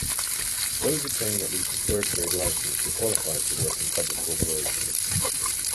Those obtaining at least a third-grade license are qualified to work in public corporations.